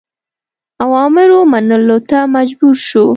اوامرو منلو ته مجبور شو.